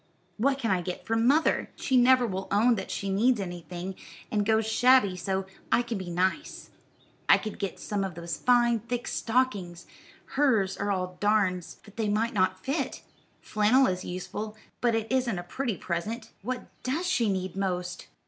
"What can I get for mother? She never will own that she needs anything, and goes shabby so I can be nice. I could get some of those fine, thick stockings, hers are all darns, but they might not fit. Flannel is useful, but it isn't a pretty present. What does she need most?"